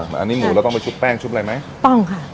อันนี้หมูเราต้องไปชุบแป้งชุบอะไรไหมต้องค่ะ